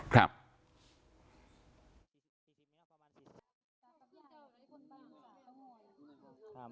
ครับ